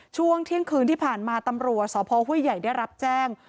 ช่วงเที่ยงคืนที่ผ่านมาตำรวจสพห้วยใหญ่ได้รับแจ้ง